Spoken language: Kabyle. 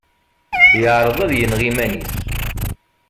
Yeεreḍ ad yenɣ iman-is.